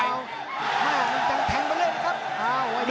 ใครใคร